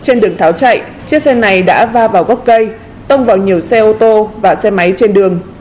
trên đường tháo chạy chiếc xe này đã va vào gốc cây tông vào nhiều xe ô tô và xe máy trên đường